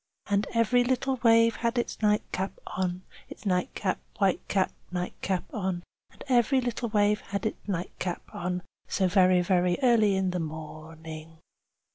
Chorus And every little wave had its nightcap on, Its nightcap, white cap, nightcap on. And every little wave had its nightcap on, So very, very early in the morning.